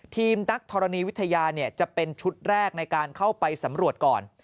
ทีมนักธรณีวิทยาจะเป็นชุดแรกในการเข้าไปสำรวจก่อน